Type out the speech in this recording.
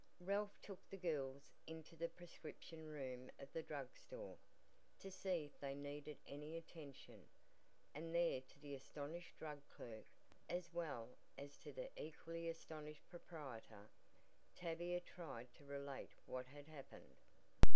Ralph took the girls into the prescription room of the drug store, to see if they needed any attention, and there to the astonished drug clerk, as well as to the equally astonished proprietor, Tavia tried to relate what had happened.